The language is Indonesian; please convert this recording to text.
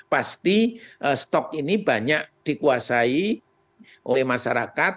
pasti stok ini banyak dikuasai oleh masyarakat